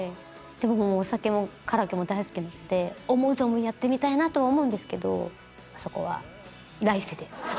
でももうお酒もカラオケも大好きなので思う存分やってみたいなとは思うんですけどそこは来世で。